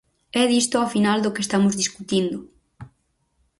É disto ao final do que estamos discutindo.